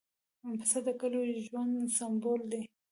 پسه د کلیو ژوند سمبول دی.